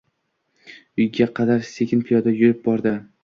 Uyga qadar sekin piyoda yurib bordi